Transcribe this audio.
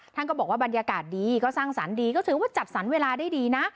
ท่านก็บอกว่าบรรยากาศดีก็สร้างสรรค์ดีก็ถือว่าจัดสรรเวลาได้ดีนะ